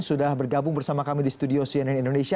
sudah bergabung bersama kami di studio cnn indonesia